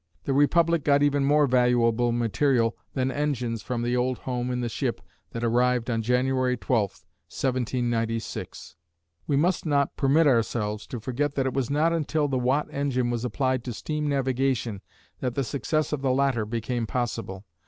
The Republic got even more valuable material than engines from the old home in the ship that arrived on January 12, 1796. We must not permit ourselves to forget that it was not until the Watt engine was applied to steam navigation that the success of the latter became possible.